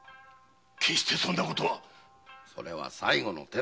決してそんなことはそれは最後の手だてだ。